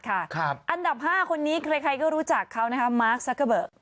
อันดับ๕คนนี้ใครก็รู้จักเขานะคะมาร์คซักเกอร์เบอร์